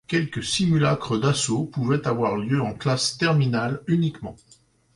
Quelques simulacres d'assaut pouvaient avoir lieu en classe terminale uniquement.